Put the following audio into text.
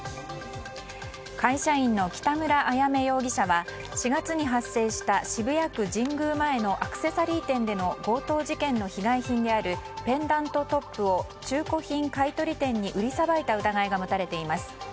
会社員の北村あやめ容疑者は４月に発生した渋谷区神宮前のアクセサリー店での強盗事件の被害品であるペンダントトップを中古品買い取り店に売りさばいた疑いが持たれています。